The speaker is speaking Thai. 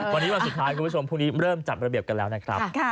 วันนี้วันสุดท้ายคุณผู้ชมพรุ่งนี้เริ่มจัดระเบียบกันแล้วนะครับ